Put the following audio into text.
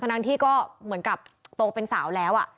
ทั้งที่ก็เหมือนกับโตเป็นสาวแล้ว